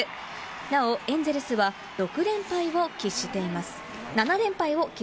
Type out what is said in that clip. なおエンゼルスは６連敗を喫しています。